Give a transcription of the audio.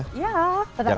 tetap makan dulu kan